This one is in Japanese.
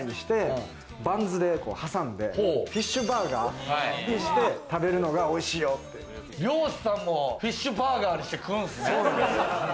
バンズで挟んでフィッシュバーガーにして食べるのがおいしいよっ漁師さんもフィッシュバーガーにして食うんですね。